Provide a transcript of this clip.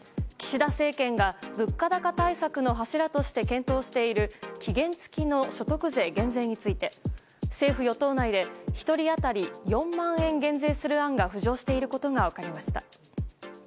岸田政権が、物価高対策の柱として検討している期限付きの所得税減税について政府・与党内で１人当たり４万円減税する案が浮上していることが分かりました。